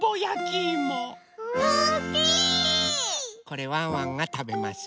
これワンワンがたべます。